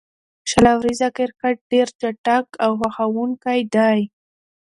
شل اوریز کرکټ ډېر چټک او خوښوونکی دئ.